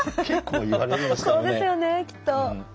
そうですよねきっと。